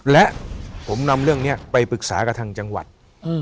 และผมนำเรื่องนี้ไปปรึกษากับทางจังหวัด